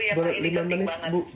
maaf dulu ya pak ini penting banget